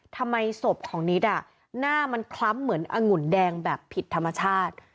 ทำไมศพของนิดหน้ามันคล้ำเหมือนองุ่นแดงแบบผิดธรรมชาติ